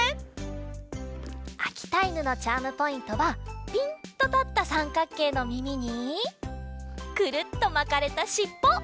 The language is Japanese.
あきたいぬのチャームポイントはピンとたったさんかっけいのみみにクルッとまかれたしっぽ。